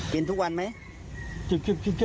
กินทุกวันไหม